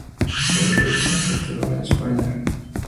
Está localizado en Cataluña, España.